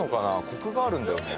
コクがあるんだよね。